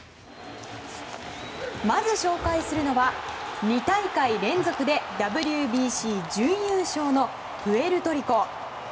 まず紹介するのは２大会連続でＷＢＣ準優勝のプエルトリコ。